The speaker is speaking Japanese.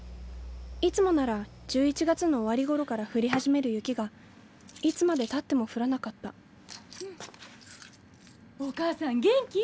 いつもなら１１月の終わり頃から降り始める雪がいつまでたっても降らなかったお母さん元気？